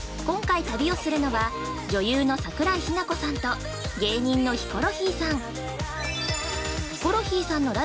今回旅をするのは、女優の桜井日奈子さんと芸人のヒコロヒーさん！